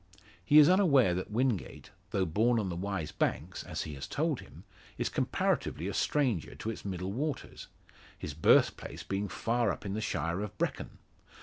He is unaware that Wingate, though born on the Wye's banks, as he has told him, is comparatively a stranger to its middle waters his birthplace being far up in the shire of Brecon.